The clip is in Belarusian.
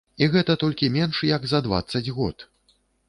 І гэта толькі менш як за дваццаць год!